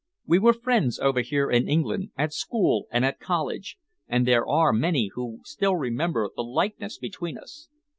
We were friends over here in England, at school and at college, and there are many who still remember the likeness between us.